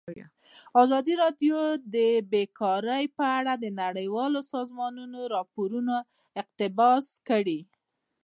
ازادي راډیو د بیکاري په اړه د نړیوالو سازمانونو راپورونه اقتباس کړي.